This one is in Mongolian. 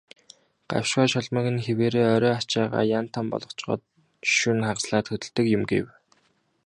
"Гавшгай шалмаг нь хэвээрээ, орой ачаагаа ян тан болгочхоод шөнө хагаслаад хөдөлдөг юм" гэв.